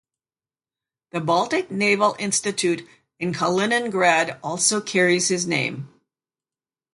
The Baltic Naval Institute in Kaliningrad also carries his name.